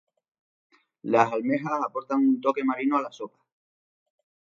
Las almejas aportan un toque marino a la sopa.